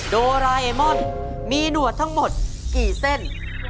โดราเอมอนมีหนวดทั้งหมดกี่เส้น